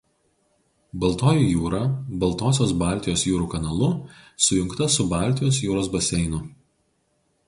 Baltoji jūra Baltosios–Baltijos jūrų kanalu sujungta su Baltijos jūros baseinu.